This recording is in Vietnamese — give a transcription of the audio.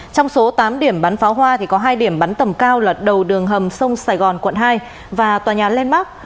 trong số tám điểm bắn pháo hoa có hai điểm bắn tầm cao là đầu đường hầm sông sài gòn quận hai và tòa nhà landmark